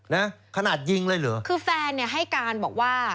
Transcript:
นะขนาดยิงเลยเหรอคือแฟนเนี่ยให้การบอกว่า